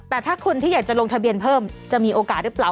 แต่ถ้าคนที่อยากจะลงทะเบียนเพิ่มจะมีโอกาสหรือเปล่า